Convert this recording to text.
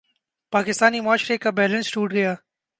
پاکستانی معاشرے کا بیلنس ٹوٹ گیا۔